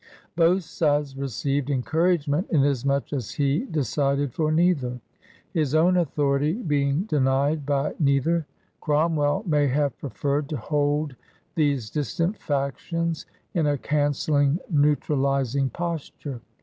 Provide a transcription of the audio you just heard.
Both sides received en couragement inasmuch as he decided for neither. His own authority being denied by neither, Crom well may have preferred to hold these distant factions in a canceling, neutralizing posture.